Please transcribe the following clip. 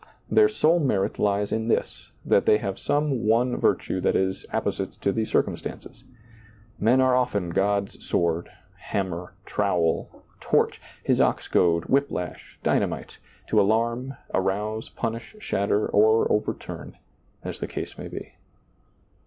Their sole merit lies in this, that they have some one virtue that is appo site to the circumstances. Men are often God's sword, hammer, trowel, torch. His ox goad, whip lash, dynamite, to alarm, arouse, punish, shatter, and overturn, as the case may be.